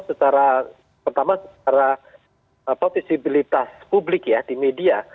secara pertama secara visibilitas publik ya di media